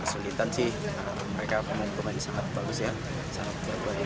kesulitan sih mereka pemain pemain sangat bagus ya sangat berguna